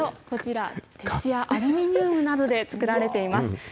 こちら、鉄やアルミニウムなどで作られています。